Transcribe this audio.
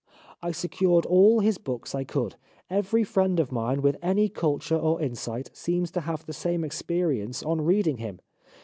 I secured all his books I could. Every friend of mine with any culture or insight seems to have the same experience on reading him.